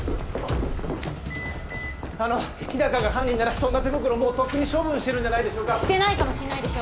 あの日高が犯人ならそんな手袋もうとっくに処分してるんじゃないでしょうかしてないかもしんないでしょ